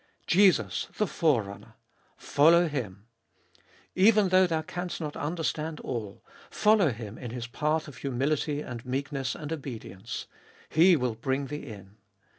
3. Jesus the Forerunner, follow Him. Even though thou canst not understand all, follow Him in His path of humility and meekness and obedience : He will bring thee in.